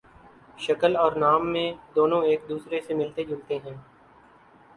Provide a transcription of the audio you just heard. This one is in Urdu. شکل اور نام میں دونوں ایک دوسرے سے ملتے جلتے ہیں